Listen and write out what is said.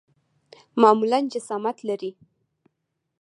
معمولاً جسامت لري.